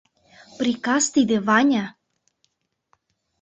Приказ тиде, Ваня!